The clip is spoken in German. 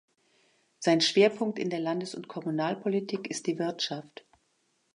Sein Schwerpunkt in der Landes- und Kommunalpolitik ist die Wirtschaft.